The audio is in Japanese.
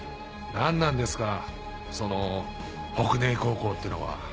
何なんですかその北根壊高校ってのは。